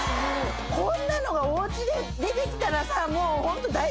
こんなのがおうちで出てきたらさもうホント。